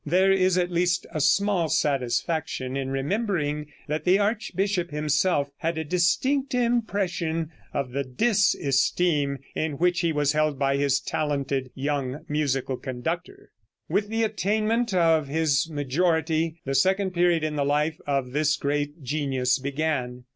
There is at least a small satisfaction in remembering that the archbishop himself had a distinct impression of the dis esteem in which he was held by his talented young musical conductor. With the attainment of his majority the second period in the life of this great genius began.